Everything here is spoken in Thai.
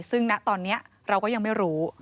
ซึ่งณตอนนี้เราก็ยังไม่รู้